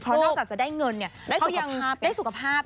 เพราะนอกจากจะได้เงินเขายังได้สุขภาพ